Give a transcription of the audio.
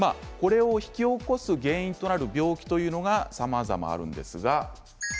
引き起こす原因となる病気というのがさまざまあります。